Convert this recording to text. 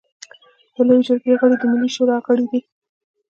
د لويې جرګې غړي د ملي شورا غړي دي.